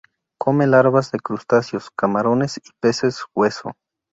Come larvas de crustáceos, camarones y peces hueso.